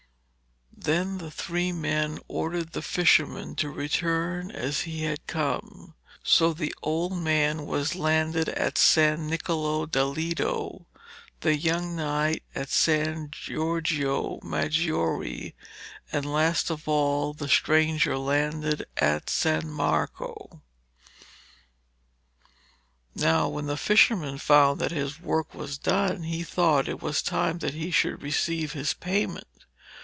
Then the three men ordered the fisherman to return as he had come. So the old man was landed at San Niccolo da Lido, the young knight at San Giorgio Maggiore, and, last of all, the stranger landed at San Marco. Now when the fisherman found that his work was done, he thought it was time that he should receive his payment.